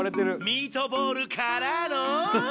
ミートボールからの？